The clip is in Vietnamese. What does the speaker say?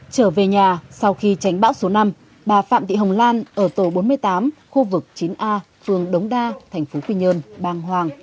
trở về nhà sau khi tránh bão số năm bà phạm thị hồng lan ở tổ bốn mươi tám khu vực chín a phường đống đa thành phố quy nhơn bàng hoàng